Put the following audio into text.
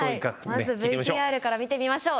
まずＶＴＲから見てみましょう。